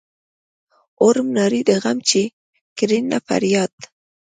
اورم نارې د غم چې کړینه فریاد.